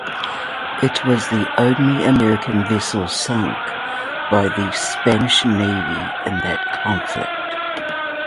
It was the only American vessel sunk by the Spanish navy in that conflict.